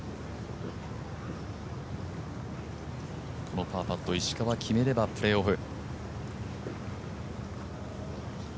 このパーパット石川、決めればプレーオフ。